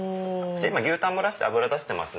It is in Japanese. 牛タン蒸らして脂出してます